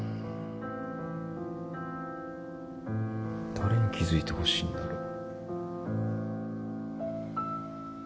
誰に気付いてほしいんだろう。